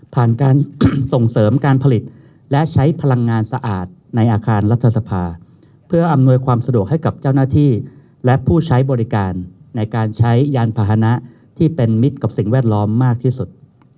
การส่งเสริมการผลิตและใช้พลังงานสะอาดในอาคารรัฐสภาเพื่ออำนวยความสะดวกให้กับเจ้าหน้าที่และผู้ใช้บริการในการใช้ยานพาหนะที่เป็นมิตรกับสิ่งแวดล้อมมากที่สุด